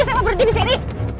saya mau berhenti disini